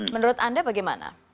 menurut anda bagaimana